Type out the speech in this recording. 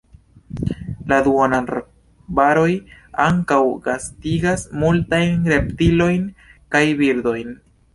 La duonarbaroj ankaŭ gastigas multajn reptiliojn kaj birdojn.